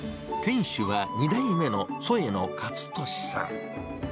店主は２代目の添野勝利さん。